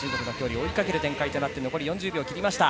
追いかける展開となって残り４０秒を切りました。